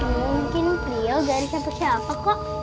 iya mungkin pria udah ada siapa siapa kok